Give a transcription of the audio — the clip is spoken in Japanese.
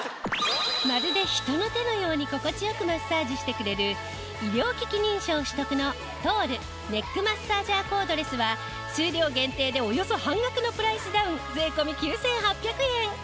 まるで人の手のように心地良くマッサージしてくれる医療機器認証取得のトールネックマッサージャーコードレスは数量限定でおよそ半額のプライスダウン税込９８００円。